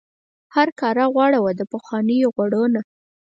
هرکاره غوړه وه د پخوانیو غوړو نه.